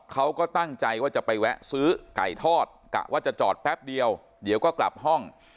เขาก็ตั้งใจว่าจะไปแวะซื้อไก่ทอดกะว่าจะจอดแป๊บเดียวเดี๋ยวก็กลับห้อง